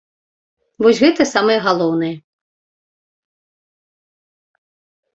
Вось гэта самае галоўнае.